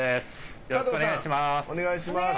お願いします。